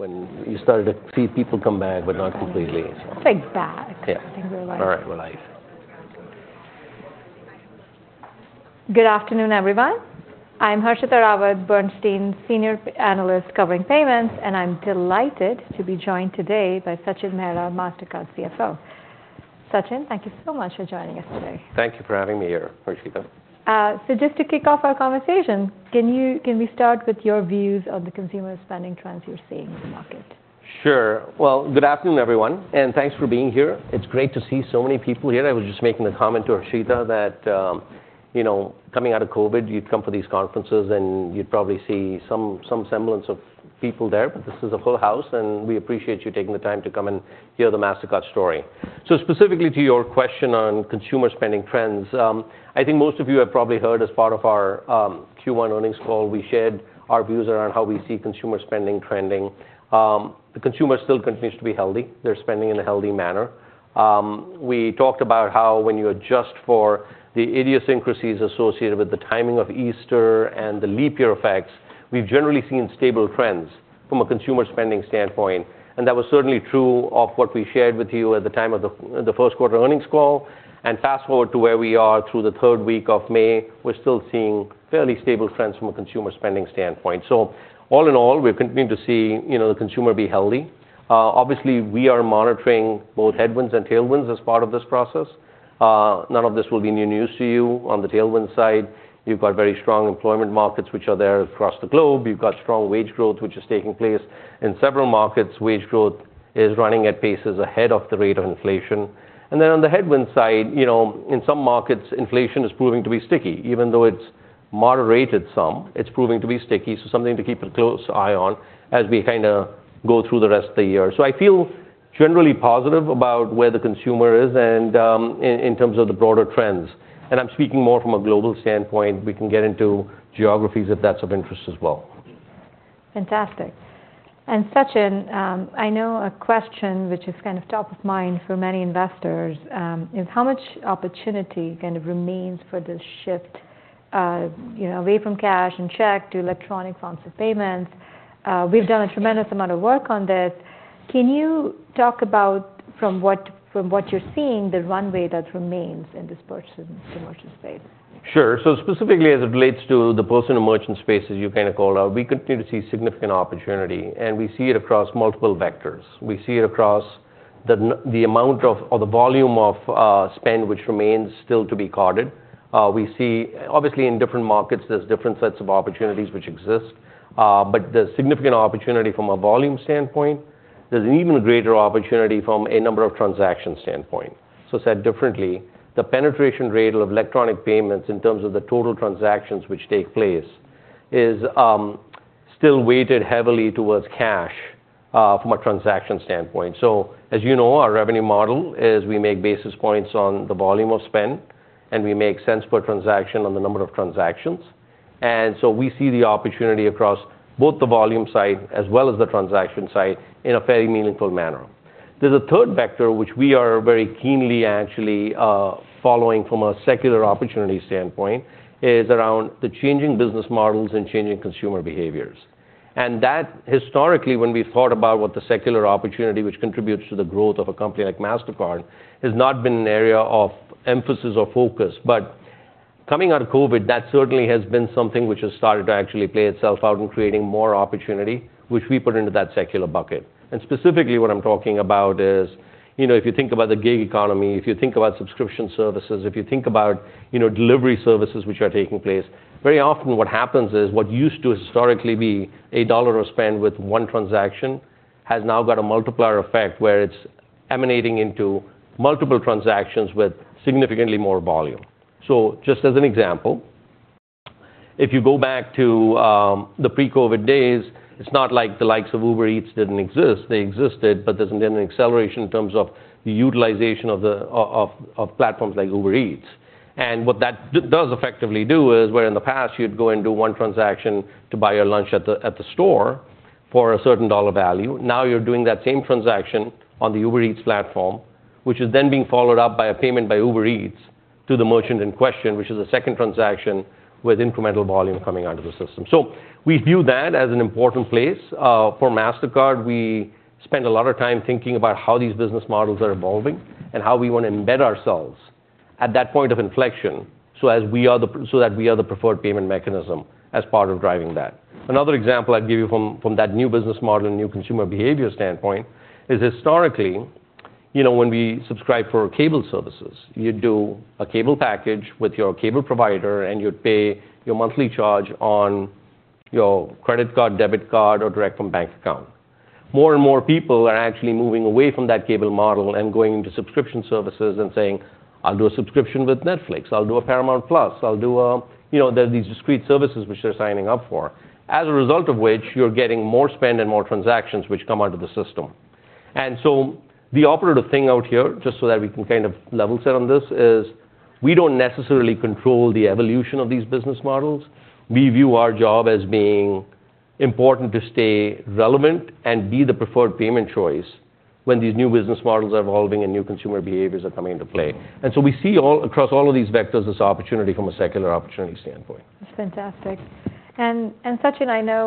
Right outside of COVID, when you started to see people come back, but not completely, so. It's like back. Yeah. I think we're like- All right, we're live. Good afternoon, everyone. I'm Harshita Rawat, Bernstein Senior Analyst covering payments, and I'm delighted to be joined today by Sachin Mehra, Mastercard CFO. Sachin, thank you so much for joining us today. Thank you for having me here, Harshita. So, just to kick off our conversation, can we start with your views on the consumer spending trends you're seeing in the market? Sure. Well, good afternoon, everyone, and thanks for being here. It's great to see so many people here. I was just making a comment to Harshita that, you know, coming out of COVID, you'd come for these conferences, and you'd probably see some semblance of people there. But this is a full house, and we appreciate you taking the time to come and hear the Mastercard story. So specifically to your question on consumer spending trends, I think most of you have probably heard as part of our Q1 earnings call, we shared our views around how we see consumer spending trending. The consumer still continues to be healthy. They're spending in a healthy manner. We talked about how when you adjust for the idiosyncrasies associated with the timing of Easter and the leap year effects, we've generally seen stable trends from a consumer spending standpoint, and that was certainly true of what we shared with you at the time of the first quarter earnings call. And fast-forward to where we are through the third week of May, we're still seeing fairly stable trends from a consumer spending standpoint. So all in all, we continue to see, you know, the consumer be healthy. Obviously, we are monitoring both headwinds and tailwinds as part of this process. None of this will be new news to you. On the tailwind side, you've got very strong employment markets, which are there across the globe. You've got strong wage growth, which is taking place. In several markets, wage growth is running at paces ahead of the rate of inflation. Then on the headwind side, you know, in some markets, inflation is proving to be sticky. Even though it's moderated some, it's proving to be sticky, so something to keep a close eye on as we kinda go through the rest of the year. So I feel generally positive about where the consumer is and in terms of the broader trends. And I'm speaking more from a global standpoint. We can get into geographies if that's of interest as well. Fantastic. And Sachin, I know a question which is kind of top of mind for many investors, is how much opportunity kind of remains for this shift, you know, away from cash and check to electronic forms of payments? We've done a tremendous amount of work on this. Can you talk about, from what you're seeing, the runway that remains in this person-commercial space? Sure. So specifically, as it relates to the person and merchant space, as you kinda called out, we continue to see significant opportunity, and we see it across multiple vectors. We see it across the amount of, or the volume of, spend, which remains still to be carded. We see obviously, in different markets, there's different sets of opportunities which exist, but there's significant opportunity from a volume standpoint. There's an even greater opportunity from a number of transactions standpoint. So said differently, the penetration rate of electronic payments in terms of the total transactions which take place is still weighted heavily towards cash, from a transaction standpoint. So, as you know, our revenue model is we make basis points on the volume of spend, and we make cents per transaction on the number of transactions, and so we see the opportunity across both the volume side as well as the transaction side in a very meaningful manner. There's a third vector, which we are very keenly actually following from a secular opportunity standpoint, is around the changing business models and changing consumer behaviors. And that, historically, when we thought about what the secular opportunity, which contributes to the growth of a company like Mastercard, has not been an area of emphasis or focus. But coming out of COVID, that certainly has been something which has started to actually play itself out in creating more opportunity, which we put into that secular bucket. Specifically, what I'm talking about is, you know, if you think about the gig economy, if you think about subscription services, if you think about, you know, delivery services which are taking place, very often what happens is, what used to historically be a $8 of spend with one transaction, has now got a multiplier effect, where it's emanating into multiple transactions with significantly more volume. So just as an example, if you go back to the pre-COVID days, it's not like the likes of Uber Eats didn't exist. They existed, but there's been an acceleration in terms of the utilization of the platforms like Uber Eats. What that does effectively do is, where in the past you'd go and do one transaction to buy your lunch at the, at the store for a certain dollar value, now you're doing that same transaction on the Uber Eats platform, which is then being followed up by a payment by Uber Eats to the merchant in question, which is a second transaction with incremental volume coming out of the system. So we view that as an important place for Mastercard. We spend a lot of time thinking about how these business models are evolving and how we want to embed ourselves at that point of inflection, so that we are the preferred payment mechanism as part of driving that. Another example I'd give you from that new business model and new consumer behavior standpoint is historically, you know, when we subscribe for cable services, you'd do a cable package with your cable provider, and you'd pay your monthly charge on your credit card, debit card, or direct from bank account. More and more people are actually moving away from that cable model and going into subscription services and saying, "I'll do a subscription with Netflix. I'll do a Paramount+. I'll do a..." You know, there are these discrete services which they're signing up for. As a result of which, you're getting more spend and more transactions which come out of the system. And so the operative thing out here, just so that we can kind of level set on this, is we don't necessarily control the evolution of these business models. We view our job as being-... important to stay relevant and be the preferred payment choice when these new business models are evolving and new consumer behaviors are coming into play. So we see all across all of these vectors, this opportunity from a secular opportunity standpoint. That's fantastic. And, Sachin, I know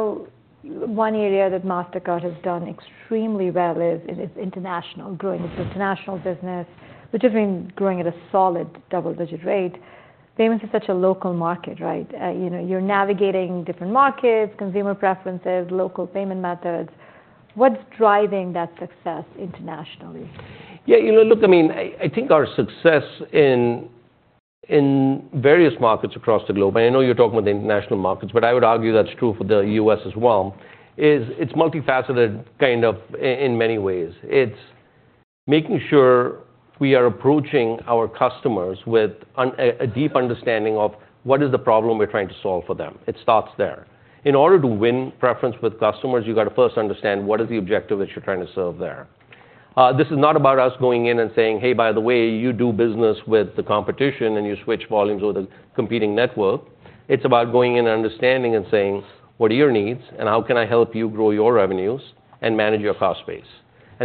one area that Mastercard has done extremely well is in its international, growing its international business, which has been growing at a solid double-digit rate. Payments is such a local market, right? You know, you're navigating different markets, consumer preferences, local payment methods. What's driving that success internationally? Yeah, you know, look, I mean, I think our success in various markets across the globe, I know you're talking about the international markets, but I would argue that's true for the U.S. as well, is it's multifaceted, kind of, in many ways. It's making sure we are approaching our customers with a deep understanding of what is the problem we're trying to solve for them. It starts there. In order to win preference with customers, you've got to first understand what is the objective that you're trying to solve there. This is not about us going in and saying, "Hey, by the way, you do business with the competition, and you switch volumes with a competing network." It's about going in and understanding and saying, "What are your needs, and how can I help you grow your revenues and manage your cost base?"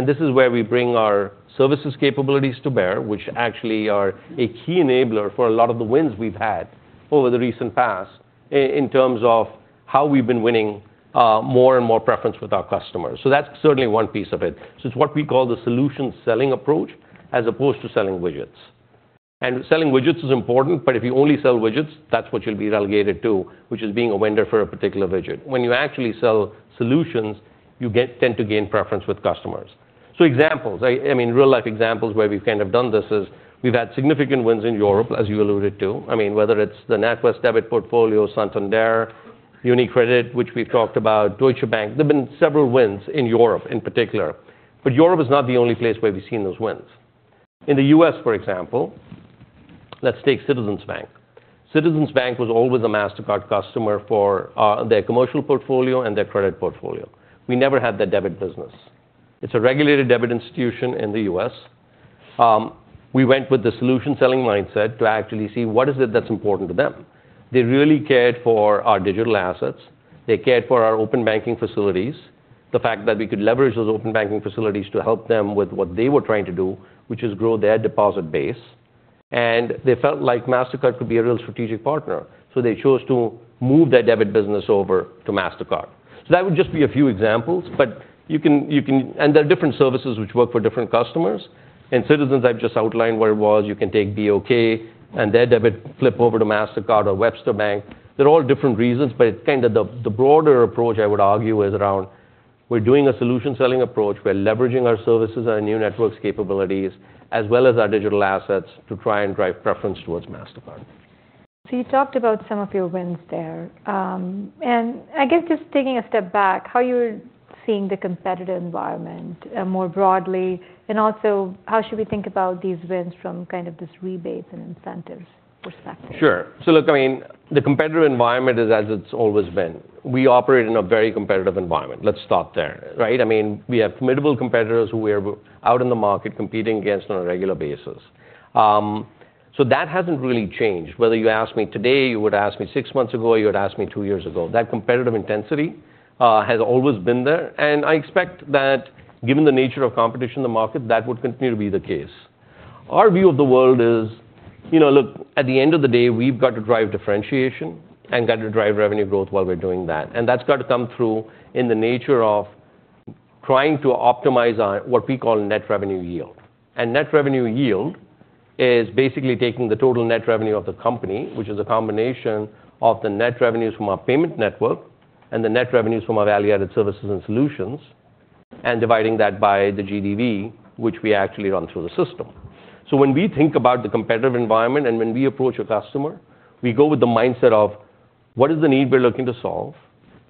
This is where we bring our services capabilities to bear, which actually are a key enabler for a lot of the wins we've had over the recent past in terms of how we've been winning more and more preference with our customers. That's certainly one piece of it. It's what we call the solution selling approach, as opposed to selling widgets. Selling widgets is important, but if you only sell widgets, that's what you'll be relegated to, which is being a vendor for a particular widget. When you actually sell solutions, you tend to gain preference with customers. So examples, I mean, real-life examples where we've kind of done this is, we've had significant wins in Europe, as you alluded to. I mean, whether it's the NatWest debit portfolio, Santander, UniCredit, which we've talked about, Deutsche Bank. There have been several wins in Europe in particular. But Europe is not the only place where we've seen those wins. In the U.S., for example, let's take Citizens Bank. Citizens Bank was always a Mastercard customer for their commercial portfolio and their credit portfolio. We never had their debit business. It's a regulated debit institution in the U.S. We went with the solution-selling mindset to actually see what is it that's important to them. They really cared for our digital assets. They cared for our open banking facilities, the fact that we could leverage those open banking facilities to help them with what they were trying to do, which is grow their deposit base. They felt like Mastercard could be a real strategic partner, so they chose to move their debit business over to Mastercard. So that would just be a few examples, but you can and there are different services which work for different customers, and Citizens, I've just outlined what it was. You can take BOK and their debit flip over to Mastercard or Webster Bank. They're all different reasons, but kind of the broader approach, I would argue, is around we're doing a solution-selling approach. We're leveraging our services and our new networks capabilities, as well as our digital assets, to try and drive preference towards Mastercard. You talked about some of your wins there. I guess just taking a step back, how you're seeing the competitive environment more broadly, and also, how should we think about these wins from kind of this rebates and incentives perspective? Sure. So look, I mean, the competitive environment is as it's always been. We operate in a very competitive environment. Let's start there, right? I mean, we have formidable competitors who we are out in the market competing against on a regular basis. So that hasn't really changed. Whether you ask me today, you would ask me six months ago, you would ask me two years ago, that competitive intensity has always been there. And I expect that given the nature of competition in the market, that would continue to be the case. Our view of the world is, you know, look, at the end of the day, we've got to drive differentiation and got to drive revenue growth while we're doing that. And that's got to come through in the nature of trying to optimize our, what we call, net revenue yield. Net revenue yield is basically taking the total net revenue of the company, which is a combination of the net revenues from our payment network and the net revenues from our value-added services and solutions, and dividing that by the GDV, which we actually run through the system. When we think about the competitive environment and when we approach a customer, we go with the mindset of: What is the need we're looking to solve?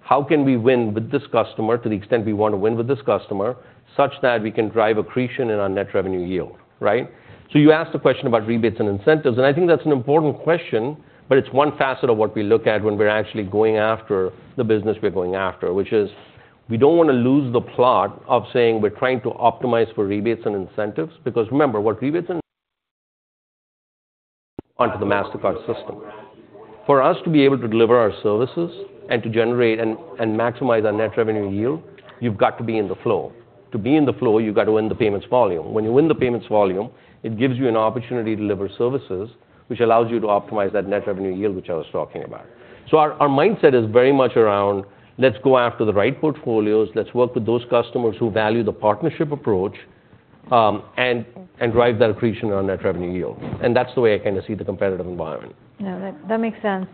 How can we win with this customer to the extent we want to win with this customer, such that we can drive accretion in our net revenue yield, right? So you asked a question about rebates and incentives, and I think that's an important question, but it's one facet of what we look at when we're actually going after the business we're going after, which is we don't want to lose the plot of saying we're trying to optimize for rebates and incentives. Because remember, what rebates and... onto the Mastercard system. For us to be able to deliver our services and to generate and maximize our net revenue yield, you've got to be in the flow. To be in the flow, you've got to win the payments volume. When you win the payments volume, it gives you an opportunity to deliver services, which allows you to optimize that net revenue yield, which I was talking about. So our mindset is very much around, let's go after the right portfolios, let's work with those customers who value the partnership approach, and drive that accretion on net revenue yield. And that's the way I kind of see the competitive environment. Yeah, that, that makes sense.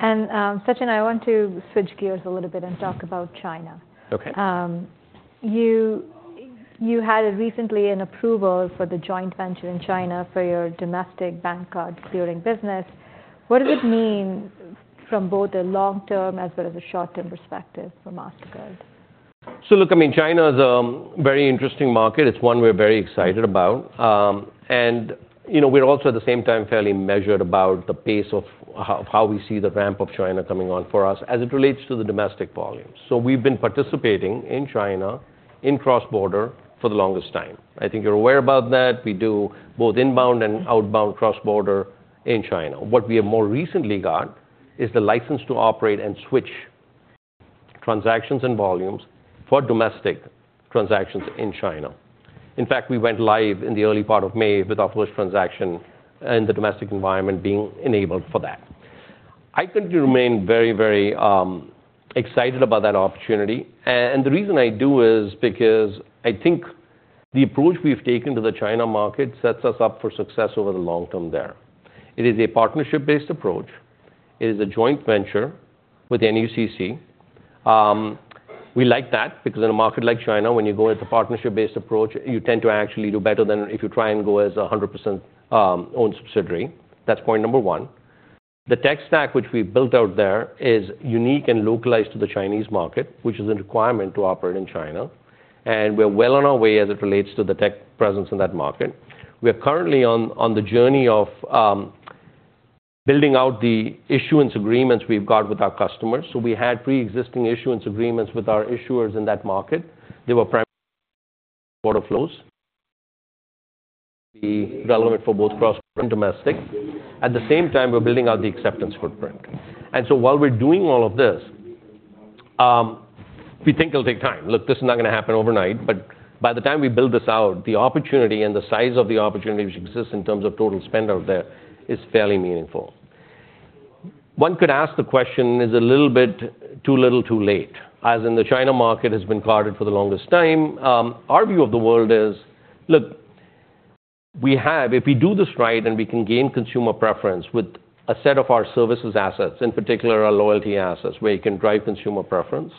And, Sachin, I want to switch gears a little bit and talk about China. Okay. You had recently an approval for the joint venture in China for your domestic bank card clearing business. What does it mean from both a long-term as well as a short-term perspective for Mastercard? So look, I mean, China is a very interesting market. It's one we're very excited about. And, you know, we're also, at the same time, fairly measured about the pace of how we see the ramp of China coming on for us as it relates to the domestic volume. So we've been participating in China, in cross-border, for the longest time. I think you're aware about that. We do both inbound and outbound cross-border in China. What we have more recently got is the license to operate and switch transactions and volumes for domestic transactions in China. In fact, we went live in the early part of May with our first transaction and the domestic environment being enabled for that. I continue to remain very, very excited about that opportunity. And the reason I do is because I think the approach we've taken to the China market sets us up for success over the long term there. It is a partnership-based approach. It is a joint venture with NUCC. We like that, because in a market like China, when you go with a partnership-based approach, you tend to actually do better than if you try and go as a 100% owned subsidiary. That's point number one. The tech stack which we've built out there is unique and localized to the Chinese market, which is a requirement to operate in China, and we're well on our way as it relates to the tech presence in that market. We are currently on the journey of building out the issuance agreements we've got with our customers. So we had pre-existing issuance agreements with our issuers in that market. They were primarily border flows. The relevant for both cross and domestic. At the same time, we're building out the acceptance footprint. And so while we're doing all of this, we think it'll take time. Look, this is not gonna happen overnight, but by the time we build this out, the opportunity and the size of the opportunity which exists in terms of total spend out there is fairly meaningful. One could ask the question, is a little bit too little, too late, as in the China market has been carded for the longest time? Our view of the world is, look, we have if we do this right, and we can gain consumer preference with a set of our services assets, in particular our loyalty assets, where you can drive consumer preference,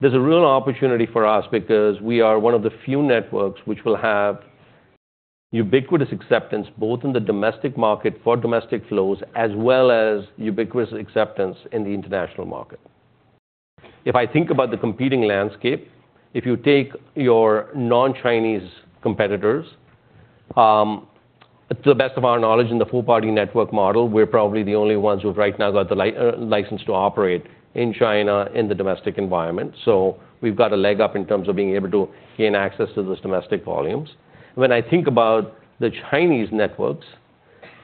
there's a real opportunity for us because we are one of the few networks which will have ubiquitous acceptance, both in the domestic market for domestic flows, as well as ubiquitous acceptance in the international market. If I think about the competing landscape, if you take your non-Chinese competitors, to the best of our knowledge, in the four-party network model, we're probably the only ones who've right now got the license to operate in China in the domestic environment. So we've got a leg up in terms of being able to gain access to those domestic volumes. When I think about the Chinese networks,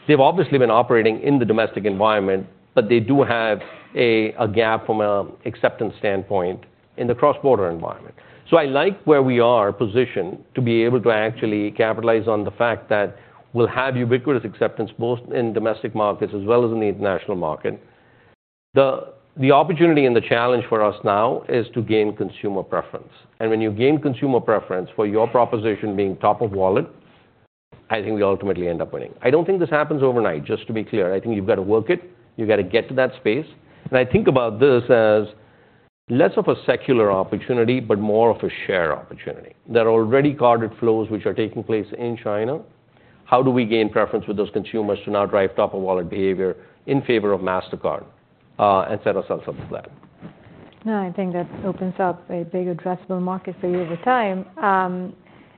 they've obviously been operating in the domestic environment, but they do have a gap from a acceptance standpoint in the cross-border environment. So I like where we are positioned to be able to actually capitalize on the fact that we'll have ubiquitous acceptance, both in domestic markets as well as in the international market. The opportunity and the challenge for us now is to gain consumer preference. And when you gain consumer preference for your proposition being top of wallet, I think we ultimately end up winning. I don't think this happens overnight, just to be clear. I think you've got to work it. You've got to get to that space. And I think about this as less of a secular opportunity, but more of a share opportunity. There are already carded flows which are taking place in China. How do we gain preference with those consumers to now drive top-of-wallet behavior in favor of Mastercard, and set ourselves up for that? No, I think that opens up a big addressable market for you over time.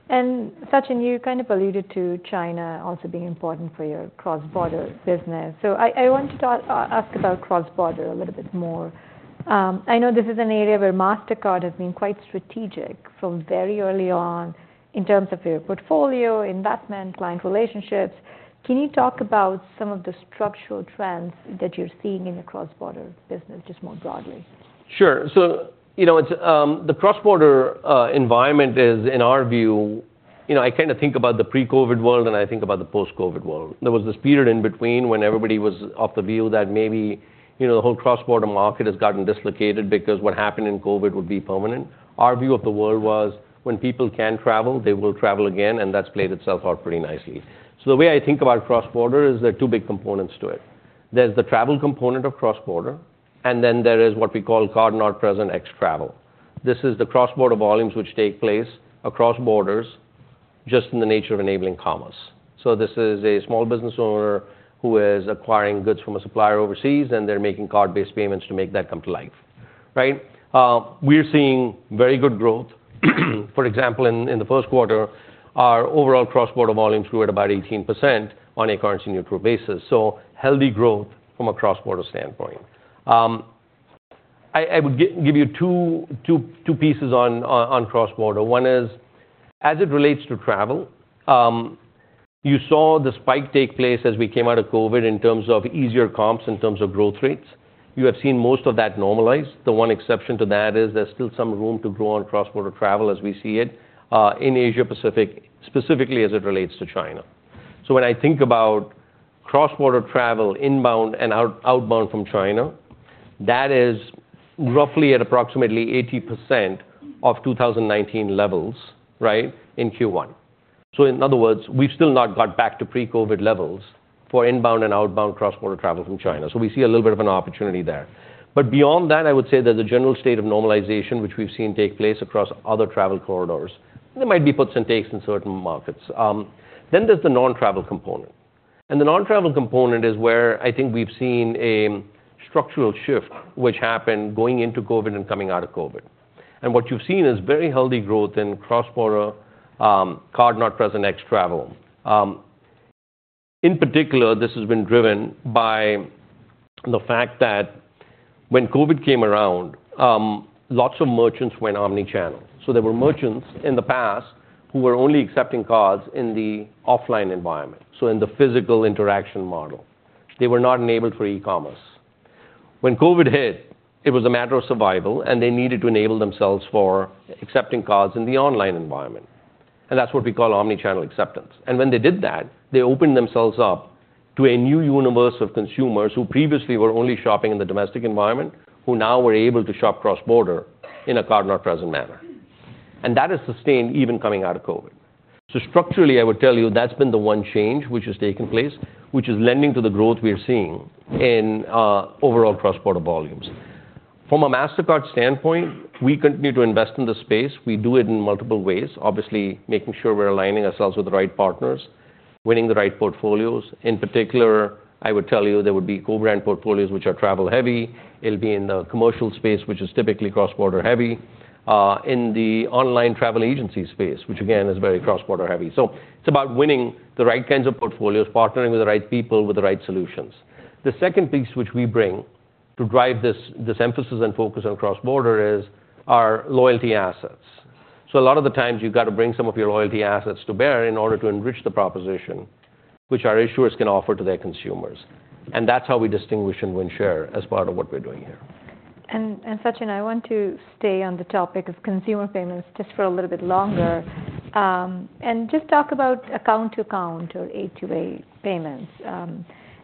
And Sachin, you kind of alluded to China also being important for your cross-border business. So I want to ask about cross-border a little bit more. I know this is an area where Mastercard has been quite strategic from very early on in terms of your portfolio, investment, client relationships. Can you talk about some of the structural trends that you're seeing in the cross-border business, just more broadly? Sure. So, you know, it's the cross-border environment is, in our view... You know, I kind of think about the pre-COVID world, and I think about the post-COVID world. There was this period in between when everybody was of the view that maybe, you know, the whole cross-border market has gotten dislocated because what happened in COVID would be permanent. Our view of the world was, when people can travel, they will travel again, and that's played itself out pretty nicely. So the way I think about cross-border is there are two big components to it. There's the travel component of cross-border, and then there is what we call card-not-present ex travel. This is the cross-border volumes which take place across borders, just in the nature of enabling commerce. So this is a small business owner who is acquiring goods from a supplier overseas, and they're making card-based payments to make that come to life, right? We're seeing very good growth. For example, in the first quarter, our overall cross-border volumes grew at about 18% on a currency neutral basis, so healthy growth from a cross-border standpoint. I would give you two pieces on cross-border. One is, as it relates to travel, you saw the spike take place as we came out of COVID in terms of easier comps, in terms of growth rates. You have seen most of that normalize. The one exception to that is there's still some room to grow on cross-border travel as we see it, in Asia Pacific, specifically as it relates to China. So when I think about cross-border travel, inbound and outbound from China, that is roughly at approximately 80% of 2019 levels, right, in Q1. So in other words, we've still not got back to pre-COVID levels for inbound and outbound cross-border travel from China, so we see a little bit of an opportunity there. But beyond that, I would say there's a general state of normalization, which we've seen take place across other travel corridors. There might be puts and takes in certain markets. Then there's the non-travel component. And the non-travel component is where I think we've seen a structural shift, which happened going into COVID and coming out of COVID. And what you've seen is very healthy growth in cross-border, Card-Not-Present ex travel. In particular, this has been driven by the fact that when COVID came around, lots of merchants went omni-channel. So there were merchants in the past who were only accepting cards in the offline environment, so in the physical interaction model. They were not enabled for e-commerce. When COVID hit, it was a matter of survival, and they needed to enable themselves for accepting cards in the online environment, and that's what we call omni-channel acceptance. And when they did that, they opened themselves up to a new universe of consumers who previously were only shopping in the domestic environment, who now were able to shop cross-border in a card-not-present manner. And that has sustained even coming out of COVID. So structurally, I would tell you, that's been the one change which has taken place, which is lending to the growth we are seeing in overall cross-border volumes. From a Mastercard standpoint, we continue to invest in the space. We do it in multiple ways, obviously, making sure we're aligning ourselves with the right partners, winning the right portfolios. In particular, I would tell you, there would be co-brand portfolios, which are travel-heavy. It'll be in the commercial space, which is typically cross-border heavy in the online travel agency space, which again, is very cross-border heavy. So it's about winning the right kinds of portfolios, partnering with the right people, with the right solutions. The second piece which we bring to drive this, this emphasis and focus on cross-border is our loyalty assets. A lot of the times, you've got to bring some of your loyalty assets to bear in order to enrich the proposition, which our issuers can offer to their consumers. That's how we distinguish and win share as part of what we're doing here. Sachin, I want to stay on the topic of consumer payments just for a little bit longer. And just talk about account-to-account, or A2A payments.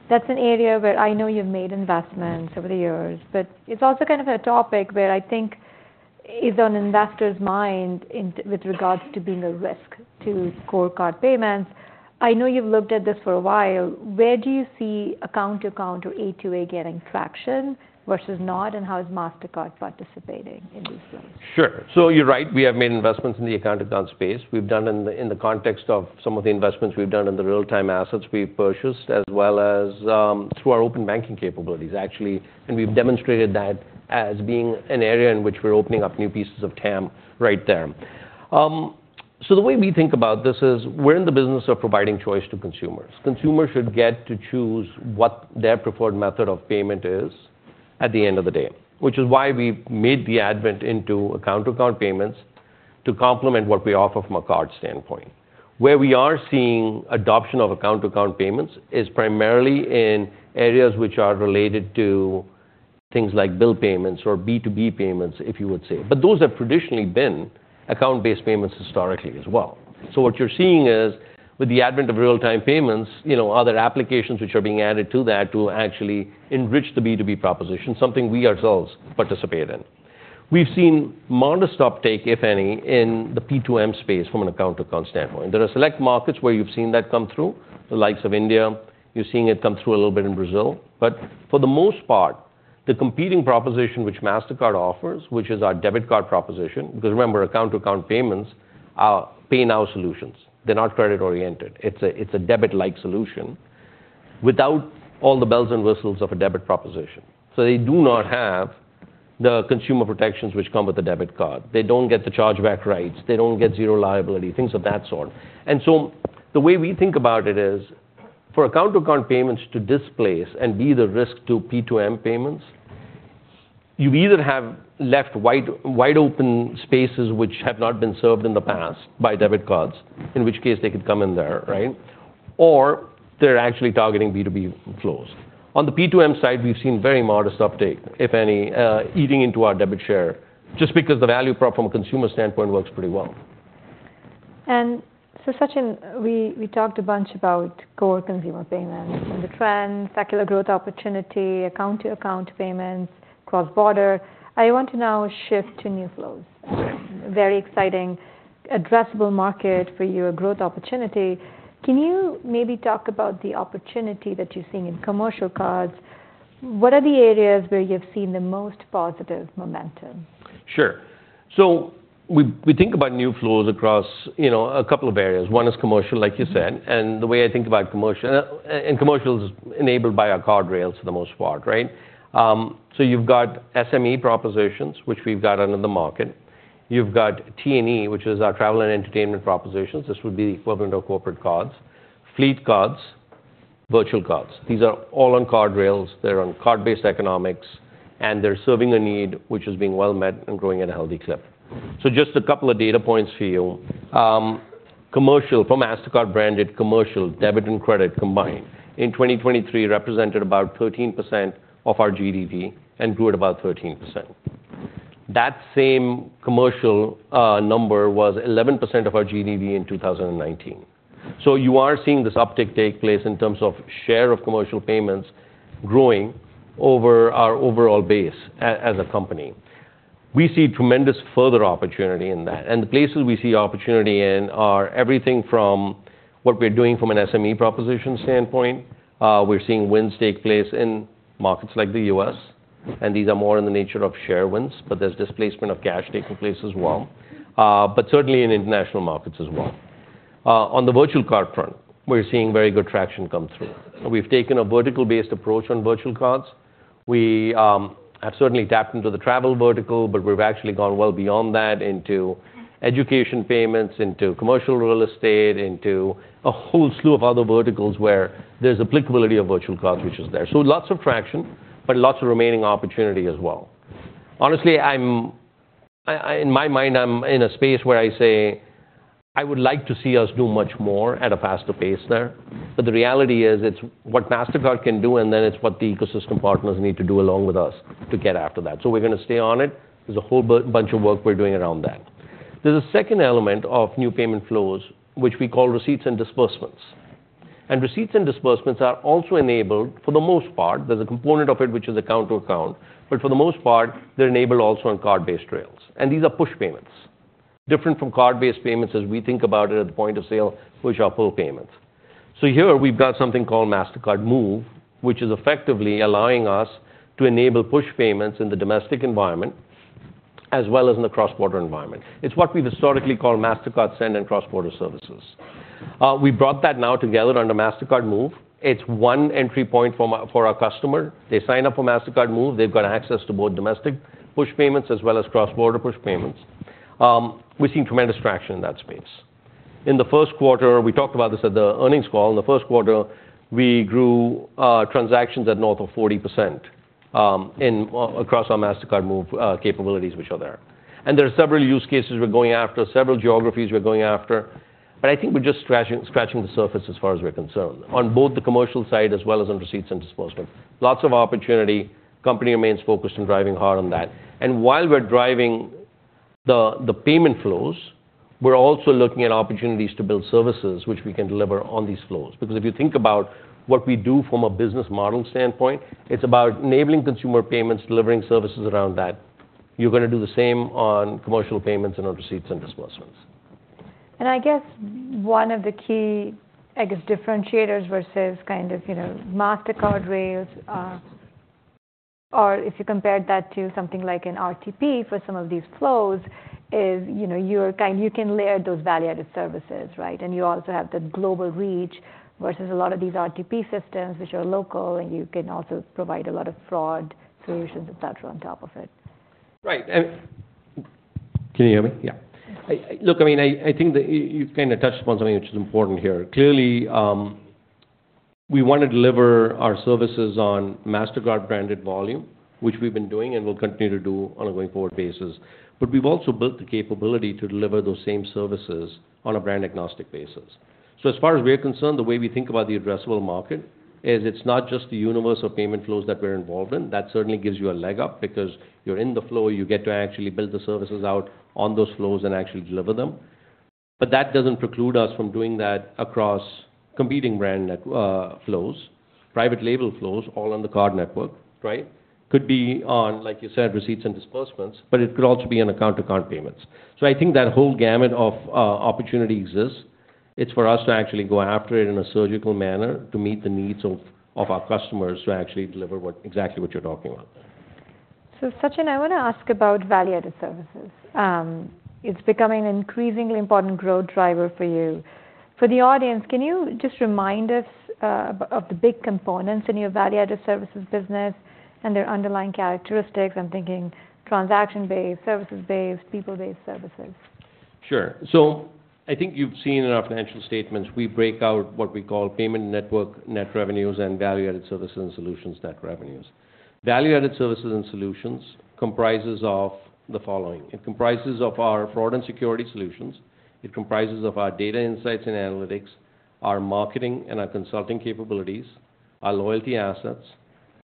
That's an area where I know you've made investments over the years, but it's also kind of a topic where I think is on investors' mind with regards to being a risk to core card payments. I know you've looked at this for a while. Where do you see account-to-account or A2A gaining traction versus not, and how is Mastercard participating in this space? Sure. So you're right, we have made investments in the account-to-account space. We've done in the context of some of the investments we've done in the real-time assets we've purchased, as well as through our open banking capabilities, actually. And we've demonstrated that as being an area in which we're opening up new pieces of TAM right there. So the way we think about this is we're in the business of providing choice to consumers. Consumers should get to choose what their preferred method of payment is at the end of the day, which is why we've made the advent into account-to-account payments to complement what we offer from a card standpoint. Where we are seeing adoption of account-to-account payments is primarily in areas which are related to things like bill payments or B2B payments, if you would say. But those have traditionally been account-based payments historically as well. So what you're seeing is, with the advent of real-time payments, you know, other applications which are being added to that to actually enrich the B2B proposition, something we ourselves participate in. We've seen modest uptake, if any, in the P2M space from an account-to-account standpoint. There are select markets where you've seen that come through, the likes of India. You're seeing it come through a little bit in Brazil. But for the most part, the competing proposition, which Mastercard offers, which is our debit card proposition. Because, remember, account-to-account payments are pay now solutions. They're not credit-oriented. It's a debit-like solution without all the bells and whistles of a debit proposition. So they do not have the consumer protections which come with a debit card. They don't get the chargeback rights. They don't get zero liability, things of that sort. And so the way we think about it is, for account-to-account payments to displace and be the risk to P2M payments, you either have left wide, wide-open spaces which have not been served in the past by debit cards, in which case they could come in there, right? Or they're actually targeting B2B flows. On the P2M side, we've seen very modest uptake, if any, eating into our debit share, just because the value prop from a consumer standpoint works pretty well. So, Sachin, we talked a bunch about core consumer payments and the trends, secular growth opportunity, account-to-account payments, cross-border. I want to now shift to new flows. Sure. Very exciting addressable market for you, a growth opportunity. Can you maybe talk about the opportunity that you're seeing in Commercial Cards? What are the areas where you've seen the most positive momentum? Sure. So we think about new flows across, you know, a couple of areas. One is commercial, like you said, and the way I think about commercial, and commercial is enabled by our card rails for the most part, right? So you've got SME propositions, which we've got out in the market. You've got T&E, which is our travel and entertainment propositions. This would be the equivalent of corporate cards, fleet cards, virtual cards. These are all on card rails, they're on card-based economics, and they're serving a need which is being well met and growing at a healthy clip. So just a couple of data points for you. Commercial, from Mastercard-branded commercial, debit and credit combined, in 2023, represented about 13% of our GDV and grew at about 13%. That same commercial number was 11% of our GDV in 2019. So you are seeing this uptick take place in terms of share of commercial payments growing over our overall base as a company. We see tremendous further opportunity in that, and the places we see opportunity in are everything from what we're doing from an SME proposition standpoint. We're seeing wins take place in markets like the U.S., and these are more in the nature of share wins, but there's displacement of cash taking place as well, but certainly in international markets as well. On the virtual card front, we're seeing very good traction come through. We've taken a vertical-based approach on virtual cards. We have certainly tapped into the travel vertical, but we've actually gone well beyond that into education payments, into commercial real estate, into a whole slew of other verticals where there's applicability of virtual cards, which is there. So lots of traction, but lots of remaining opportunity as well. Honestly, I'm. I, I. In my mind, I'm in a space where I say. I would like to see us do much more at a faster pace there. But the reality is, it's what Mastercard can do, and then it's what the ecosystem partners need to do along with us to get after that. So we're going to stay on it. There's a whole bunch of work we're doing around that. There's a second element of new payment flows, which we call receipts and disbursements. And receipts and disbursements are also enabled, for the most part, there's a component of it, which is account to account, but for the most part, they're enabled also on card-based rails. And these are push payments, different from card-based payments as we think about it at the point-of-sale, push or pull payments. So here we've got something called Mastercard Move, which is effectively allowing us to enable push payments in the domestic environment, as well as in the cross-border environment. It's what we've historically called Mastercard Send and Cross-Border Services. We brought that now together under Mastercard Move. It's one entry point for our, for our customer. They sign up for Mastercard Move, they've got access to both domestic push payments as well as cross-border push payments. We've seen tremendous traction in that space. In the first quarter, we talked about this at the earnings call. In the first quarter, we grew transactions at north of 40%, in across our Mastercard Move capabilities, which are there. And there are several use cases we're going after, several geographies we're going after, but I think we're just scratching, scratching the surface as far as we're concerned, on both the commercial side as well as on receipts and disbursements. Lots of opportunity. Company remains focused on driving hard on that. And while we're driving the, the payment flows, we're also looking at opportunities to build services which we can deliver on these flows. Because if you think about what we do from a business model standpoint, it's about enabling consumer payments, delivering services around that. You're going to do the same on commercial payments and on receipts and disbursements. I guess one of the key, I guess, differentiators versus kind of, you know, Mastercard rails are, or if you compared that to something like an RTP for some of these flows, is, you know, you're kind-- you can layer those value-added services, right? And you also have the global reach, versus a lot of these RTP systems, which are local, and you can also provide a lot of fraud solutions, et cetera, on top of it. Right. Can you hear me? Yeah. I look, I mean, I think that you, you've kind of touched upon something which is important here. Clearly, we want to deliver our services on Mastercard-branded volume, which we've been doing and will continue to do on a going-forward basis. But we've also built the capability to deliver those same services on a brand-agnostic basis. So as far as we're concerned, the way we think about the addressable market is it's not just the universe of payment flows that we're involved in. That certainly gives you a leg up because you're in the flow, you get to actually build the services out on those flows and actually deliver them. But that doesn't preclude us from doing that across competing brand network flows, private label flows, all on the card network, right? Could be on, like you said, receipts and disbursements, but it could also be on account-to-account payments. So I think that whole gamut of opportunity exists. It's for us to actually go after it in a surgical manner to meet the needs of our customers, to actually deliver what, exactly what you're talking about. Sachin, I want to ask about value-added services. It's becoming an increasingly important growth driver for you. For the audience, can you just remind us about the big components in your value-added services business and their underlying characteristics? I'm thinking transaction-based, services-based, people-based services. Sure. So I think you've seen in our financial statements, we break out what we call payment network net revenues and value-added services and solutions net revenues. Value-added services and solutions comprises of the following: It comprises of our fraud and security solutions, it comprises of our data insights and analytics, our marketing and our consulting capabilities, our loyalty assets,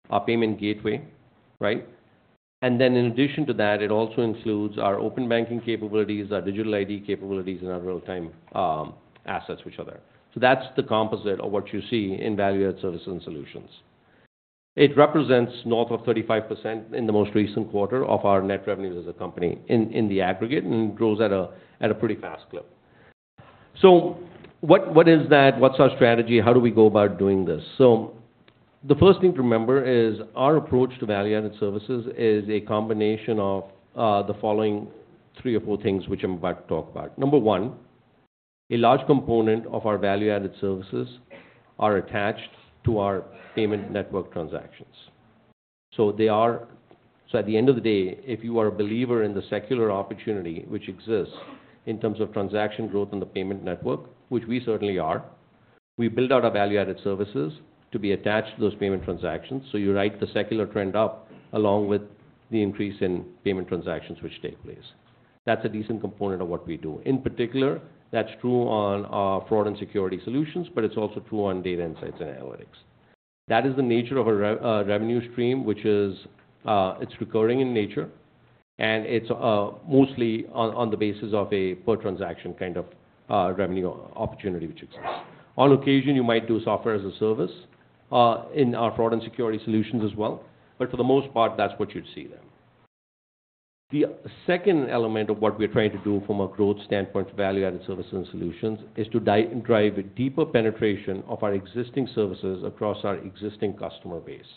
our payment gateway, right? And then in addition to that, it also includes our open banking capabilities, our digital ID capabilities, and our real-time assets which are there. So that's the composite of what you see in value-added services and solutions. It represents north of 35% in the most recent quarter of our net revenues as a company in the aggregate, and grows at a pretty fast clip. So what is that? What's our strategy? How do we go about doing this? So the first thing to remember is our approach to value-added services is a combination of the following three or four things, which I'm about to talk about. Number one, a large component of our value-added services are attached to our payment network transactions. So at the end of the day, if you are a believer in the secular opportunity which exists in terms of transaction growth in the payment network, which we certainly are, we build out our value-added services to be attached to those payment transactions. So you write the secular trend up, along with the increase in payment transactions which take place. That's a decent component of what we do. In particular, that's true on our fraud and security solutions, but it's also true on data insights and analytics. That is the nature of our revenue stream, which is, it's recurring in nature, and it's mostly on the basis of a per transaction kind of revenue opportunity, which exists. On occasion, you might do software as a service in our fraud and security solutions as well, but for the most part, that's what you'd see there. The second element of what we're trying to do from a growth standpoint to value-added services and solutions, is to drive a deeper penetration of our existing services across our existing customer base.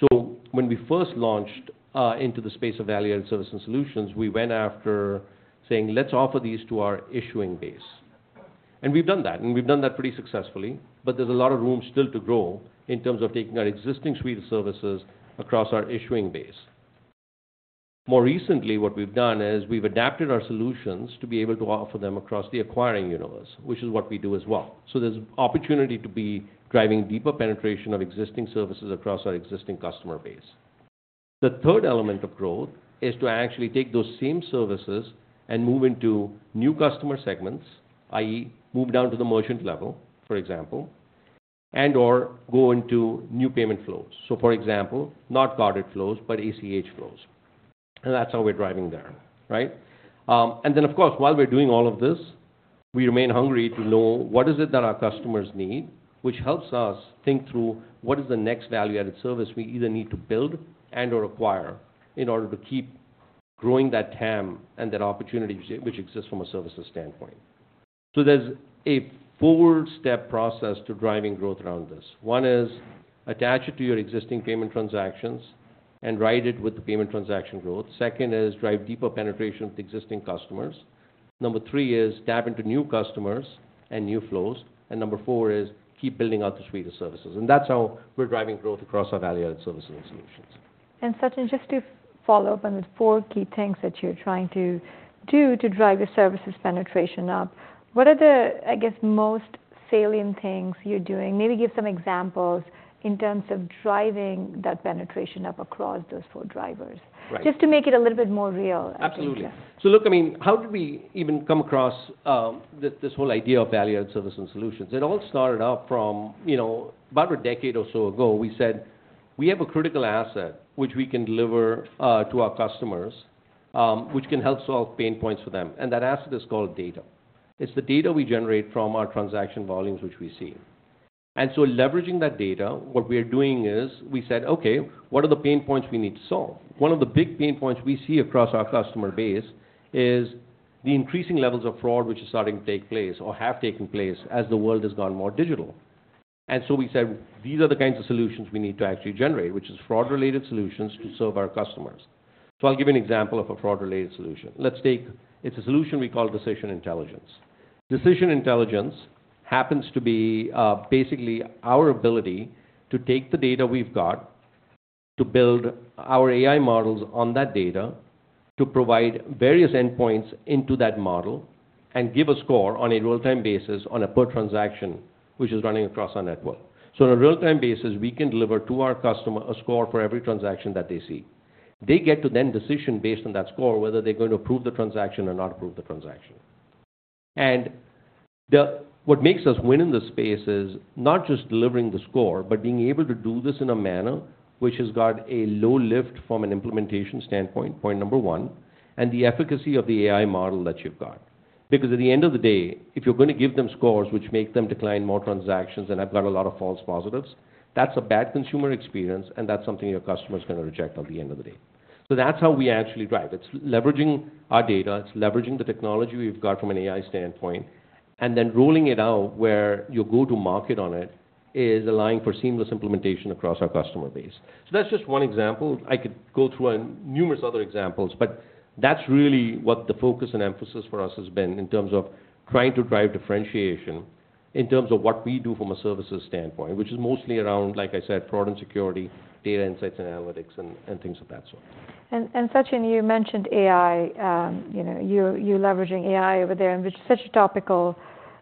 So when we first launched into the space of value-added services and solutions, we went after saying, "Let's offer these to our issuing base." And we've done that, and we've done that pretty successfully, but there's a lot of room still to grow in terms of taking our existing suite of services across our issuing base. More recently, what we've done is we've adapted our solutions to be able to offer them across the acquiring universe, which is what we do as well. So there's opportunity to be driving deeper penetration of existing services across our existing customer base. The third element of growth is to actually take those same services and move into new customer segments, i.e., move down to the merchant level, for example, and/or go into new payment flows. So for example, not carded flows, but ACH flows. And that's how we're driving there, right? and then of course, while we're doing all of this, we remain hungry to know what is it that our customers need, which helps us think through what is the next value-added service we either need to build and/or acquire in order to keep growing that TAM and that opportunity which exists from a services standpoint. So there's a four-step process to driving growth around this. One is attach it to your existing payment transactions and ride it with the payment transaction growth. Second is drive deeper penetration with existing customers. Number three is tap into new customers and new flows. And number four is keep building out the suite of services. That's how we're driving growth across our value-added services and solutions. Sachin, just to follow up on the four key things that you're trying to do to drive the services penetration up, what are the, I guess, most salient things you're doing? Maybe give some examples in terms of driving that penetration up across those four drivers. Right. Just to make it a little bit more real, I think. Absolutely. So look, I mean, how did we even come across this whole idea of value-added service and solutions? It all started out from, you know, about a decade or so ago. We said, "We have a critical asset which we can deliver to our customers, which can help solve pain points for them," and that asset is called data. It's the data we generate from our transaction volumes, which we see. And so leveraging that data, what we are doing is we said, "Okay, what are the pain points we need to solve?" One of the big pain points we see across our customer base is the increasing levels of fraud, which is starting to take place or have taken place as the world has gone more digital. And so we said, "These are the kinds of solutions we need to actually generate, which is fraud-related solutions to serve our customers." So I'll give you an example of a fraud-related solution. Let's take... It's a solution we call Decision Intelligence. Decision Intelligence happens to be basically our ability to take the data we've got, to build our AI models on that data, to provide various endpoints into that model, and give a score on a real-time basis on a per transaction, which is running across our network. So on a real-time basis, we can deliver to our customer a score for every transaction that they see. They get to then decision based on that score, whether they're going to approve the transaction or not approve the transaction. What makes us win in this space is not just delivering the score, but being able to do this in a manner which has got a low lift from an implementation standpoint, point number one, and the efficacy of the AI model that you've got. Because at the end of the day, if you're going to give them scores which make them decline more transactions, and I've got a lot of false positives, that's a bad consumer experience, and that's something your customer is gonna reject at the end of the day. So that's how we actually drive. It's leveraging our data, it's leveraging the technology we've got from an AI standpoint, and then rolling it out where you go to market on it, is allowing for seamless implementation across our customer base. So that's just one example. I could go through numerous other examples, but that's really what the focus and emphasis for us has been in terms of trying to drive differentiation, in terms of what we do from a services standpoint, which is mostly around, like I said, fraud and security, data insights and analytics and things of that sort. And Sachin, you mentioned AI. You know, you're leveraging AI over there, and which is such a topical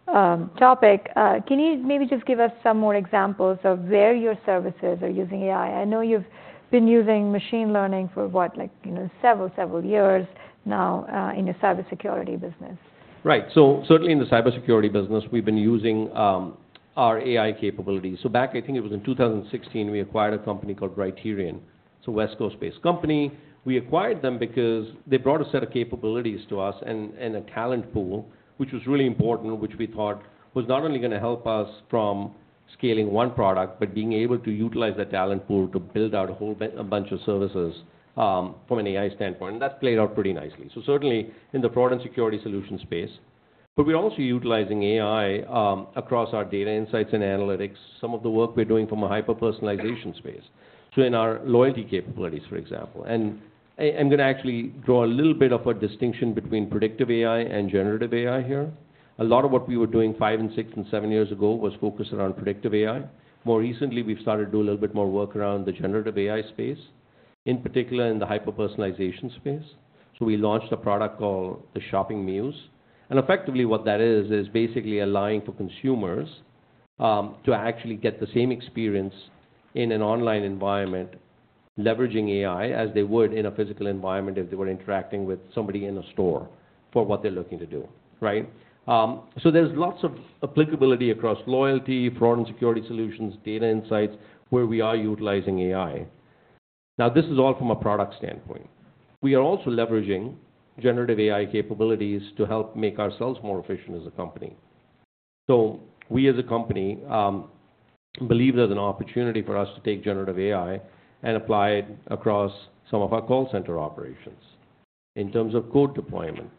topic. Can you maybe just give us some more examples of where your services are using AI? I know you've been using machine learning for what? Like, you know, several years now, in your cybersecurity business. Right. So certainly in the cybersecurity business, we've been using our AI capabilities. So back, I think it was in 2016, we acquired a company called Brighterion. It's a West Coast-based company. We acquired them because they brought a set of capabilities to us and a talent pool, which was really important, which we thought was not only gonna help us from scaling one product, but being able to utilize that talent pool to build out a whole a bunch of services from an AI standpoint. And that's played out pretty nicely. So certainly in the product security solution space. But we're also utilizing AI across our data insights and analytics, some of the work we're doing from a hyper-personalization space, so in our loyalty capabilities, for example. I'm gonna actually draw a little bit of a distinction between predictive AI and generative AI here. A lot of what we were doing five, six, and seven years ago was focused around predictive AI. More recently, we've started to do a little bit more work around the generative AI space, in particular in the hyper-personalization space. So we launched a product called the Shopping Muse, and effectively, what that is, is basically allowing for consumers to actually get the same experience in an online environment, leveraging AI, as they would in a physical environment if they were interacting with somebody in a store for what they're looking to do, right? So there's lots of applicability across loyalty, fraud and security solutions, data insights, where we are utilizing AI. Now, this is all from a product standpoint. We are also leveraging generative AI capabilities to help make ourselves more efficient as a company. So we, as a company, believe there's an opportunity for us to take generative AI and apply it across some of our call center operations in terms of code deployment,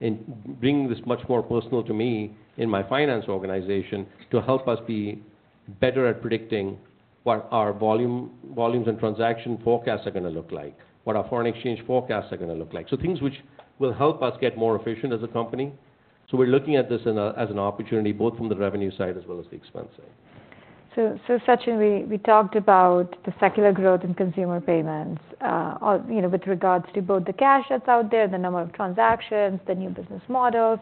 and bringing this much more personal to me in my finance organization, to help us be better at predicting what our volume, volumes and transaction forecasts are gonna look like, what our foreign exchange forecasts are gonna look like. So things which will help us get more efficient as a company. So we're looking at this as an opportunity, both from the revenue side as well as the expense side. So, Sachin, we talked about the secular growth in consumer payments on... You know, with regards to both the cash that's out there, the number of transactions, the new business models.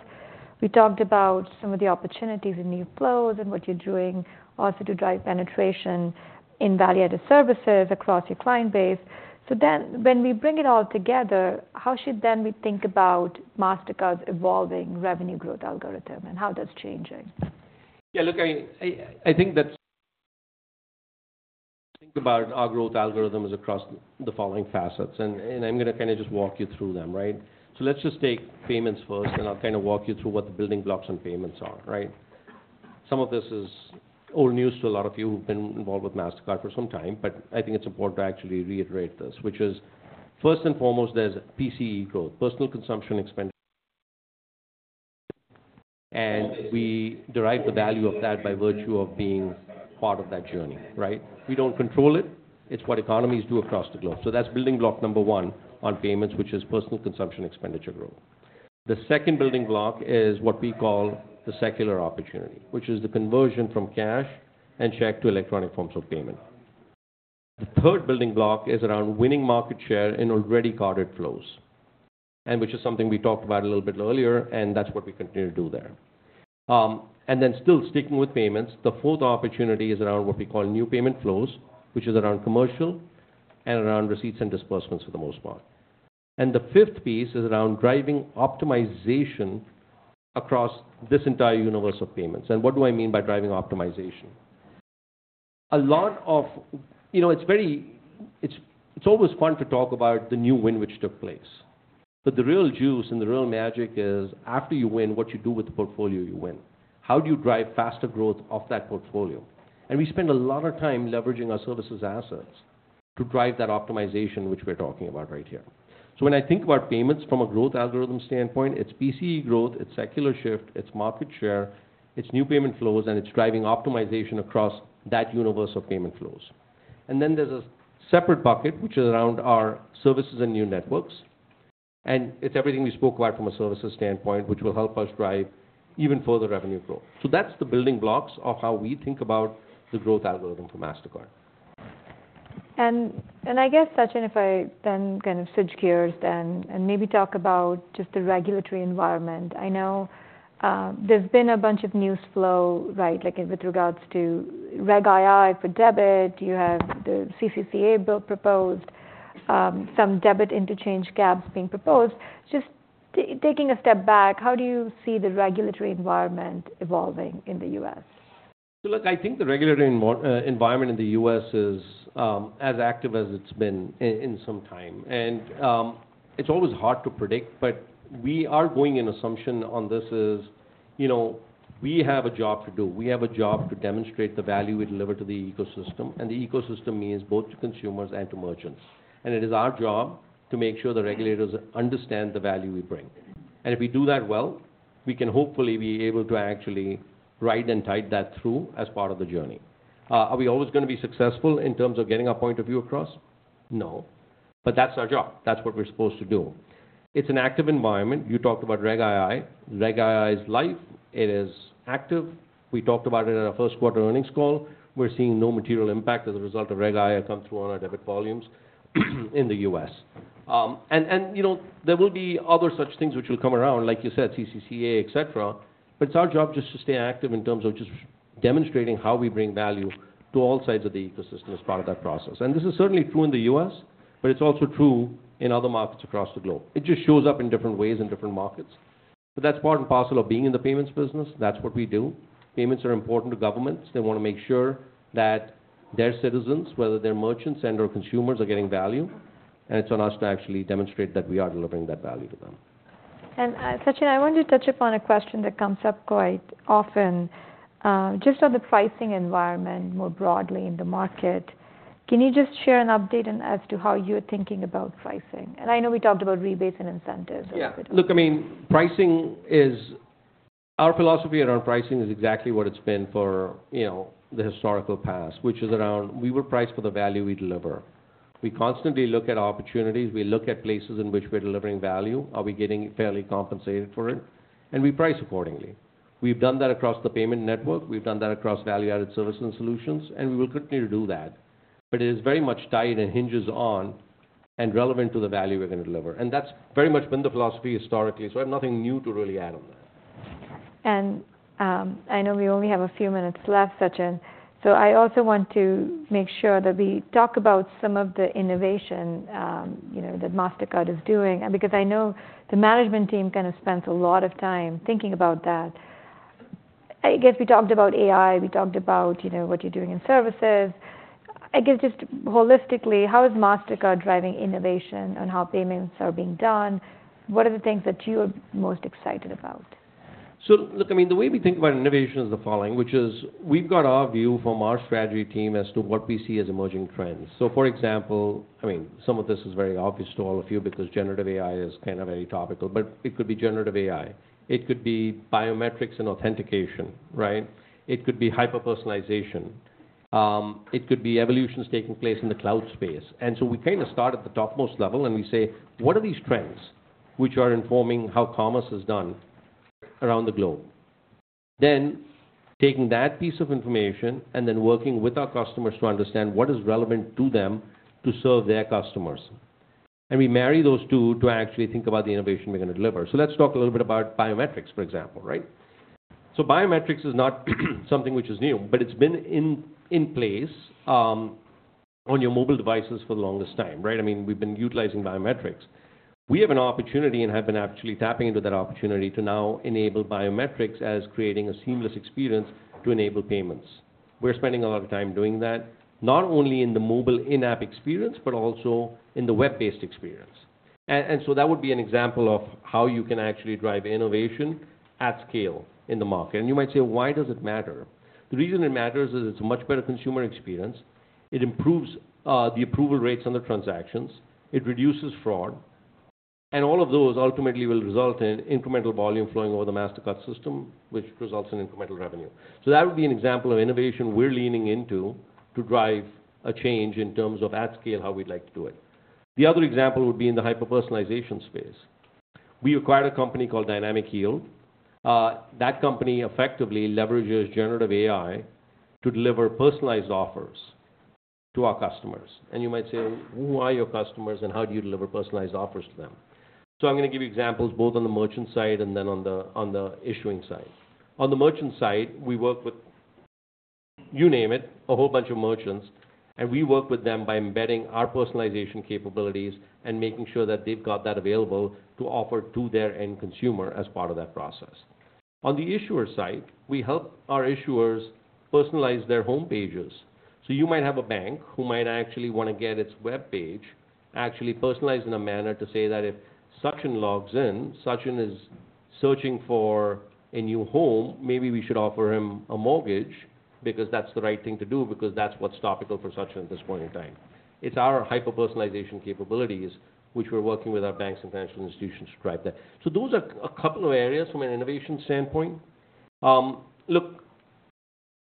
We talked about some of the opportunities in new flows and what you're doing also to drive penetration in value-added services across your client base. So then when we bring it all together, how should we think about Mastercard's evolving revenue growth algorithm, and how that's changing? Yeah, look, I think that's. Think about our growth algorithm is across the following facets, and I'm gonna kinda just walk you through them, right? So let's just take payments first, and I'll kinda walk you through what the building blocks on payments are, right? Some of this is old news to a lot of you who've been involved with Mastercard for some time, but I think it's important to actually reiterate this, which is, first and foremost, there's PCE growth, personal consumption expenditure, and we derive the value of that by virtue of being part of that journey, right? We don't control it. It's what economies do across the globe. So that's building block number one on payments, which is personal consumption expenditure growth. The second building block is what we call the secular opportunity, which is the conversion from cash and check to electronic forms of payment. The third building block is around winning market share in already carded flows, and which is something we talked about a little bit earlier, and that's what we continue to do there. And then still sticking with payments, the fourth opportunity is around what we call new payment flows, which is around commercial and around receipts and disbursements for the most part. And the fifth piece is around driving optimization across this entire universe of payments. And what do I mean by driving optimization? You know, it's very... it's always fun to talk about the new win which took place, but the real juice and the real magic is, after you win, what you do with the portfolio you win. How do you drive faster growth of that portfolio? We spend a lot of time leveraging our services assets to drive that optimization, which we're talking about right here. When I think about payments from a growth algorithm standpoint, it's PCE growth, it's secular shift, it's market share, it's new payment flows, and it's driving optimization across that universe of payment flows. Then there's a separate bucket, which is around our services and new networks, and it's everything we spoke about from a services standpoint, which will help us drive even further revenue growth. That's the building blocks of how we think about the growth algorithm for Mastercard. I guess, Sachin, if I then kind of switch gears then and maybe talk about just the regulatory environment. I know, there's been a bunch of news flow, right, like with regards to Reg II for debit. You have the CCCA bill proposed, some debit interchange caps being proposed. Just taking a step back, how do you see the regulatory environment evolving in the U.S.? So look, I think the regulatory environment in the U.S. is as active as it's been in some time. It's always hard to predict, but we are going in assumption on this is, you know, we have a job to do. We have a job to demonstrate the value we deliver to the ecosystem, and the ecosystem means both to consumers and to merchants. And it is our job to make sure the regulators understand the value we bring. And if we do that well, we can hopefully be able to actually ride and tide that through as part of the journey. Are we always gonna be successful in terms of getting our point of view across? No. But that's our job. That's what we're supposed to do. It's an active environment. You talked about Reg II. Reg II is life. It is active. We talked about it in our first quarter earnings call. We're seeing no material impact as a result of Reg II come through on our debit volumes in the U.S. And, you know, there will be other such things which will come around, like you said, CCCA, et cetera, but it's our job just to stay active in terms of just demonstrating how we bring value to all sides of the ecosystem as part of that process. This is certainly true in the U.S., but it's also true in other markets across the globe. It just shows up in different ways in different markets, but that's part and parcel of being in the payments business. That's what we do. Payments are important to governments. They wanna make sure that their citizens, whether they're merchants and/or consumers, are getting value, and it's on us to actually demonstrate that we are delivering that value to them. Sachin, I want to touch upon a question that comes up quite often, just on the pricing environment more broadly in the market. Can you just share an update on as to how you're thinking about pricing? I know we talked about rebates and incentives a bit. Yeah. Look, I mean, pricing is... Our philosophy around pricing is exactly what it's been for, you know, the historical past, which is around we will price for the value we deliver. We constantly look at opportunities. We look at places in which we're delivering value. Are we getting fairly compensated for it? And we price accordingly. We've done that across the payment network. We've done that across value-added services and solutions, and we will continue to do that, but it is very much tied and hinges on and relevant to the value we're gonna deliver. And that's very much been the philosophy historically, so I have nothing new to really add on that. I know we only have a few minutes left, Sachin, so I also want to make sure that we talk about some of the innovation, you know, that Mastercard is doing, because I know the management team kind of spends a lot of time thinking about that. I guess we talked about AI, we talked about, you know, what you're doing in services. I guess just holistically, how is Mastercard driving innovation on how payments are being done? What are the things that you're most excited about? So look, I mean, the way we think about innovation is the following, which is we've got our view from our strategy team as to what we see as emerging trends. So, for example, I mean, some of this is very obvious to all of you because Generative AI is kind of very topical, but it could be Generative AI. It could be Biometrics and authentication, right? It could be Hyper-personalization. It could be evolutions taking place in the cloud space. And so we kind of start at the topmost level, and we say: What are these trends which are informing how commerce is done around the globe? Then taking that piece of information and then working with our customers to understand what is relevant to them to serve their customers. And we marry those two to actually think about the innovation we're gonna deliver. So let's talk a little bit about biometrics, for example, right? So biometrics is not something which is new, but it's been in place on your mobile devices for the longest time, right? I mean, we've been utilizing biometrics. We have an opportunity, and have been actually tapping into that opportunity, to now enable biometrics as creating a seamless experience to enable payments. We're spending a lot of time doing that, not only in the mobile in-app experience, but also in the web-based experience. And so that would be an example of how you can actually drive innovation at scale in the market. You might say, "Why does it matter?" The reason it matters is it's a much better consumer experience, it improves the approval rates on the transactions, it reduces fraud, and all of those ultimately will result in incremental volume flowing over the Mastercard system, which results in incremental revenue. So that would be an example of innovation we're leaning into to drive a change in terms of at scale, how we'd like to do it. The other example would be in the hyper-personalization space. We acquired a company called Dynamic Yield. That company effectively leverages generative AI to deliver personalized offers to our customers. And you might say, "Who are your customers, and how do you deliver personalized offers to them?" So I'm gonna give you examples both on the merchant side and then on the issuing side. On the merchant side, we work with... You name it, a whole bunch of merchants, and we work with them by embedding our personalization capabilities and making sure that they've got that available to offer to their end consumer as part of that process. On the issuer side, we help our issuers personalize their homepages. So you might have a bank who might actually wanna get its webpage actually personalized in a manner to say that if Sachin logs in, Sachin is searching for a new home, maybe we should offer him a mortgage because that's the right thing to do, because that's what's topical for Sachin at this point in time. It's our hyper-personalization capabilities, which we're working with our banks and financial institutions to drive that. So those are a couple of areas from an innovation standpoint. Look,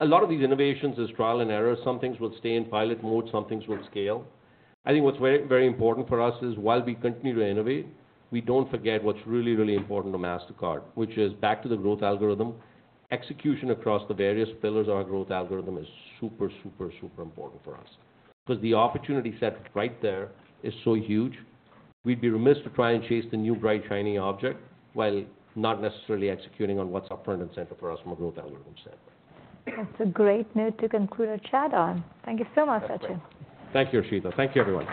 a lot of these innovations is trial and error. Some things will stay in pilot mode, some things will scale. I think what's very, very important for us is, while we continue to innovate, we don't forget what's really, really important to Mastercard, which is back to the growth algorithm. Execution across the various pillars of our growth algorithm is super, super, super important for us. 'Cause the opportunity set right there is so huge, we'd be remiss to try and chase the new bright, shiny object while not necessarily executing on what's up front and center for us from a growth algorithm standpoint. That's a great note to conclude our chat on. Thank you so much, Sachin. Thank you, Harshita. Thank you, everyone.